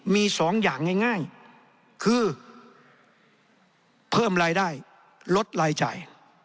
มีสองอย่างง่ายคือเพิ่มรายได้ลดรายจ่าย